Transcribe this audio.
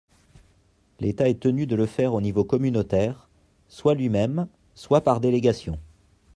L’État est tenu de le faire au niveau communautaire, soit lui-même soit par délégation.